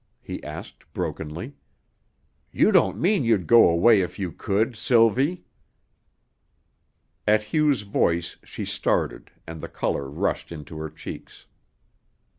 he asked brokenly. "You don't mean you'd go away if you could, Sylvie!" At Hugh's voice she started and the color rushed into her cheeks.